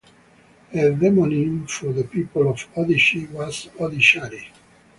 A demonym for the people of Odishi was Odishari.